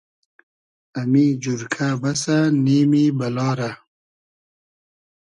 امی جورکۂ بئسۂ نیمی بئلا رۂ